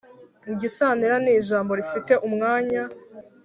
Igisantera ni ijambo rifite umwanya